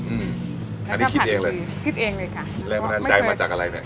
อืมอันนี้คิดเองเลยคิดเองเลยค่ะแรงบันดาลใจมาจากอะไรเนี้ย